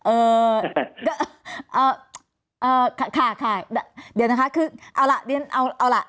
เอ่อเอ่อค่ะค่ะค่ะเดี๋ยวนะคะคือเอาล่ะเรียนเอาเอาล่ะ